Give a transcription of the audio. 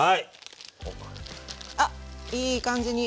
あっいい感じに。